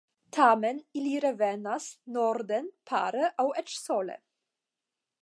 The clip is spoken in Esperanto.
Tamen ili revenas norden pare aŭ eĉ sole.